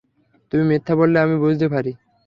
তুমি মিথ্যা বললে আমি বুঝতে পারি।